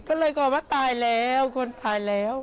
ก็เลยกอดว่าตายแล้วคนตายแล้ว